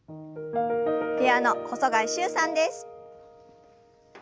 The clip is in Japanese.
ピアノ細貝柊さんです。